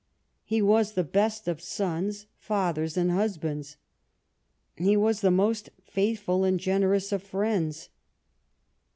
He was the best of sons, fathers, and husbands. He was the most faithful and generous of friends.